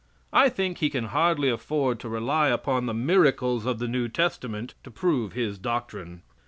I think he can hardly afford to rely upon the miracles of the New Testament to prove his doctrine.